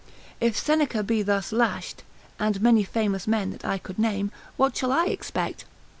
If Seneca be thus lashed, and many famous men that I could name, what shall I expect?